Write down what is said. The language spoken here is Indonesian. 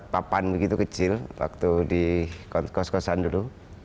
papan begitu kecil waktu di kos kosan dulu